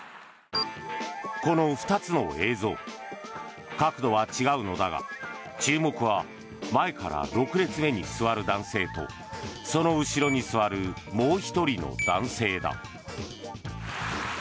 この２つの映像角度は違うのだが注目は前から６列目に座る男性とその後ろに座るもう１人の男性だ。